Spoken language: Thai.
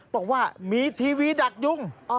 บอกว่ามีทีวีดักยุง